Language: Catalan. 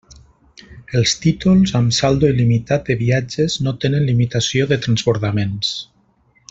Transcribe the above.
Els títols amb saldo il·limitat de viatges no tenen limitació de transbordaments.